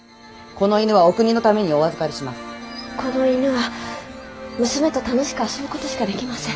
この犬は娘と楽しく遊ぶ事しかできません。